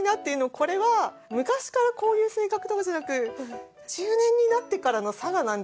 これは昔からこういう性格とかじゃなく中年になってからの性なんじゃないかなって。